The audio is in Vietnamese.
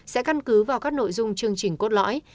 sẽ căn cứ vào các nội dung chương trình cốt lõi